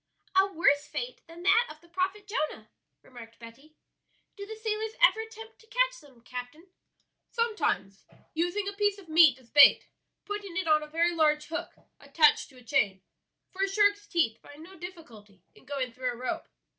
"A worse fate than that of the prophet Jonah," remarked Betty. "Do the sailors ever attempt to catch them, captain?" "Sometimes; using a piece of meat as bait, putting it on a very large hook attached to a chain; for a shark's teeth find no difficulty in going through a rope.